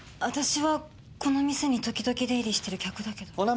私はこの店に時々出入りしてる客だけど。